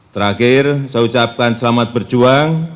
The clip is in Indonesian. terakhir saya ucapkan selamat berjuang